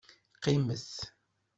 Qqimet!